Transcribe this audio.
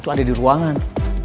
itu ada di ruangan